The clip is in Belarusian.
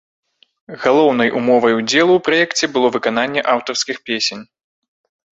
Галоўнай умовай удзелу ў праекце было выкананне аўтарскіх песень.